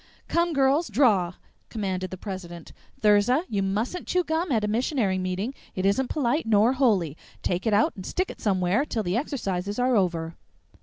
"Come, girls, draw!" commanded the president. "Thirza, you mustn't chew gum at a missionary meeting, it isn't polite nor holy. Take it out and stick it somewhere till the exercises are over."